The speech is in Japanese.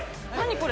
これ。